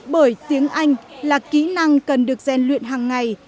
bởi tiếng anh là kỹ năng cần được gian luyện hàng ngày